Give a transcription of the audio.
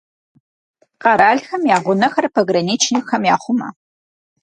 Къэралхэм я гъунэхэр пограничникхэм яхъумэ.